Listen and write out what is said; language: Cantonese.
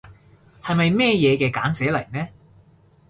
係咪咩嘢嘅簡寫嚟呢？